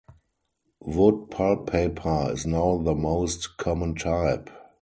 Wood pulp paper is now the most common type.